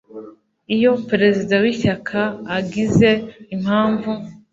iyo perezida w ishyaka agize impamvu